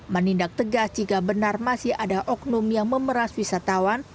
menindak tegas jika benar masih ada oknum yang memeras wisatawan